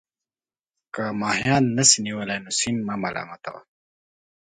که ماهيان نسې نيولى، نو سيند مه ملامت وه.